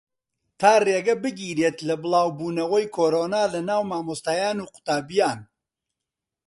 تا ڕێگە بگیرێت لە بڵاوبوونەوەی کۆرۆنا لەناو مامۆستایان و قوتابییان